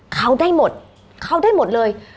เขาได้หมดเขาได้หมดเลย